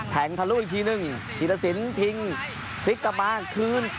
แผงทะลุอีกทีหนึ่งทีละสินพลิกกลับมาคืน